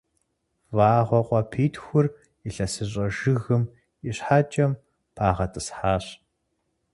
Вагъуэ къуапитхур илъэсыщӏэ жыгым и щхьэкӏэм пагъэтӏысхьащ.